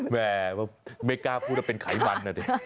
ไม่แก้พูดว่าเป็นไขมัน